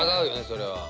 それは。